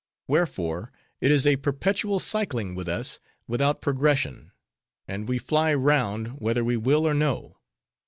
Wherefore, it is a perpetual cycling with us, without progression; and we fly round, whether we will or no.